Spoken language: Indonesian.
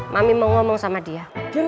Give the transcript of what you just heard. mami mau ngomong sama dia